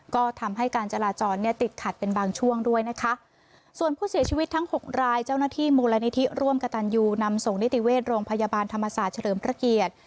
ก็ทำให้การจราจรเนี่ยติดขัดเป็นบางช่วงด้วยนะคะส่วนผู้เสียชีวิตทั้งหกรายเจ้าหน้าที่มูลนิธิร่วมกระตันยูนำส่งนิติเวชโรงพยาบาลธรรมศาสตร์เฉลิมพระเกียรติ